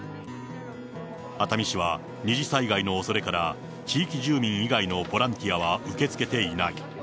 熱海市は二次災害のおそれから地域住民以外のボランティアは受け付けていない。